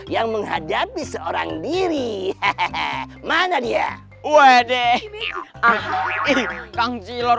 yang menghadapi seorang diri mana dia